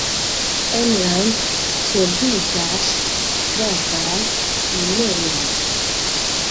Enlande troviĝas gravaj minejoj.